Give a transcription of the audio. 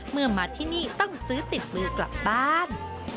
เมื่อมาที่นี่ต้องซื้อติดมือกลับบ้าน